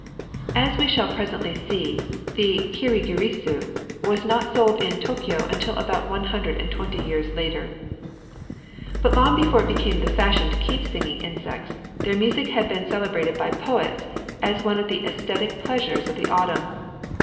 As we shall presently see, the kirigirisu was not sold in Tōkyō until about one hundred and twenty years later. But long before it became the fashion to keep singing insects, their music had been celebrated by poets as one of the æsthetic pleasures of the autumn.